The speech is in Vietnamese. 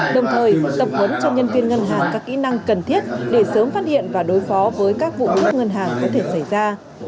đồng thời tập huấn cho nhân viên ngân hàng các kỹ năng cần thiết để sớm phát hiện và đối phó với các vụ cướp ngân hàng có thể xảy ra